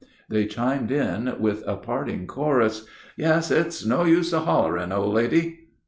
They chimed in with a parting chorus: "Yes, it's no use hollerin', old lady."